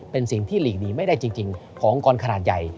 เป็นสิ่งที่หลีกหนีไม่ได้จริงขององค์กรขนาดใหญ่